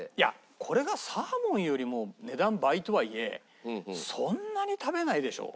これがサーモンよりも値段倍とはいえそんなに食べないでしょう？